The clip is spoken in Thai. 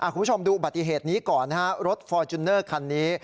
คุณผู้ชมดูอุบัติเหตุนี้ก่อนนะฮะรถฟอร์จูเนอร์คันนี้